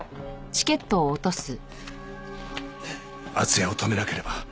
厚也を止めなければ。